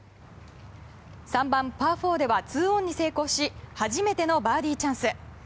３番、パー４では２オンに成功し初めてのバーディーチャンス。